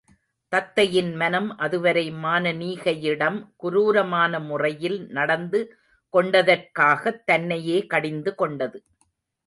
தத்தையின் மனம் அதுவரை மானனீகையிடம் குரூரமான முறையில் நடந்து கொண்டதற்காகத் தன்னையே கடிந்து கொண்டது.